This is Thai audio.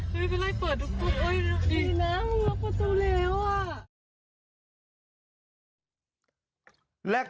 ไม่เป็นไรเปิดทุกดีนะมึงล็อกประตูแล้ว